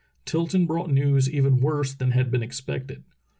Tilton brought news even worse than had been expected.